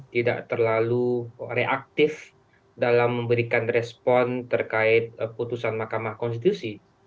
tidak terlalu reaktif dalam memberikan respon terkait putusan mahkamah konstitusi